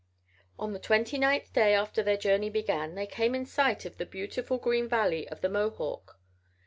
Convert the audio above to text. On the twenty ninth day after their journey began they came in sight of the beautiful green valley of the Mohawk.